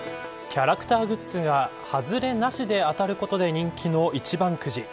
キャラクターグッズがハズレなしで当たることで人気の一番くじ。